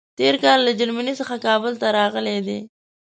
تېر کال له جرمني څخه کابل ته راغلی دی.